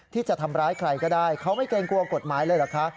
ที่จะทำร้ายใครก็ได้เขาไม่เกรงกลัวกฎหมายเลยเหรอคะ